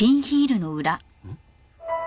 ん？